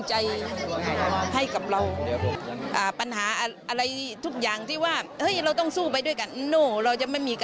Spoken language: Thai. ไปไหนไปทุกที่กันเลยนะครับใช่ค่ะ